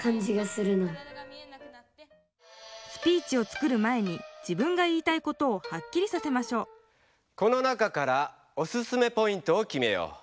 スピーチを作る前に自分が言いたいことをはっきりさせましょうこの中からオススメポイントをきめよう。